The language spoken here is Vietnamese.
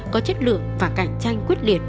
có chất lượng và cạnh tranh quyết liệt